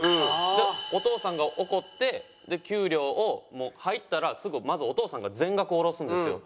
でお父さんが怒って給料をもう入ったらすぐまずお父さんが全額下ろすんですよ。